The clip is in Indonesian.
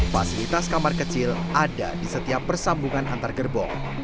fasilitas kamar kecil ada di setiap persambungan antar gerbong